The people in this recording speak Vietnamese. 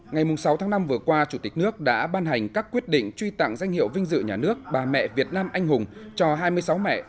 ngày sáu tháng năm vừa qua chủ tịch nước đã ban hành các quyết định truy tặng danh hiệu vinh dự nhà nước bà mẹ việt nam anh hùng cho hai mươi sáu mẹ